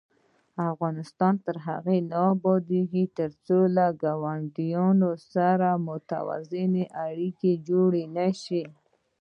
افغانستان تر هغو نه ابادیږي، ترڅو له ګاونډیانو سره متوازنې اړیکې جوړې نشي.